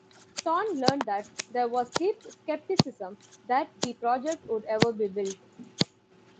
Thorne learned that there was deep skepticism that the project would ever be built.